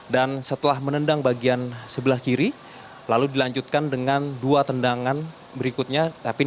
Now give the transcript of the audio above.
dan setelah menendang bagian sebelah kiri lalu dilanjutkan dengan dua tendangan berikutnya